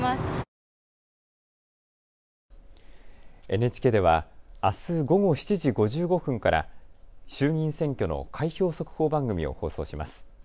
ＮＨＫではあす午後７時５５分から衆議院選挙の開票速報番組を放送します。